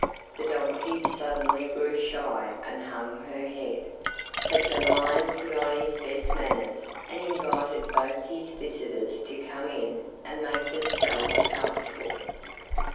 The donkey suddenly grew shy and hung her head, but the lion put on his best manners and invited both his visitors to come in and make themselves comfortable.